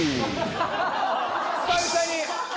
久々に！